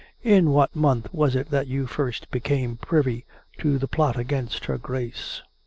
... In what month was it that you first became privy to the plot against her Grace